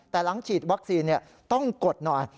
แต่หลังฉีดวัคซีนต้องกดหน่อย